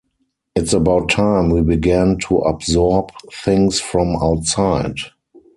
It's about time we began to absorb things from outside.